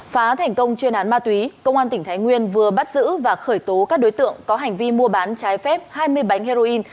phá thành công chuyên án ma túy công an tỉnh thái nguyên vừa bắt giữ và khởi tố các đối tượng có hành vi mua bán trái phép hai mươi bánh heroin